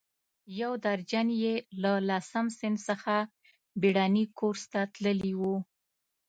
یو درجن یې له لسم صنف څخه بېړني کورس ته تللي وو.